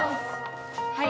はい。